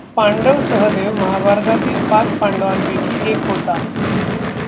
पांडव सहदेव महाभारतातील पाच पांडवांपैकी एक होता.